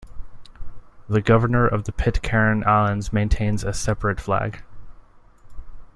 The Governor of the Pitcairn Islands maintains a separate flag.